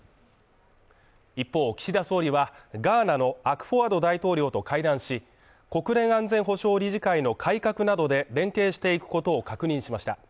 一方岸田総理はガーナのアクフォアド大統領と会談し、国連安全保障理事会の改革などで連携していくことを確認しました。